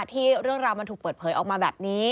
ที่เรื่องราวมันถูกเปิดเผยออกมาแบบนี้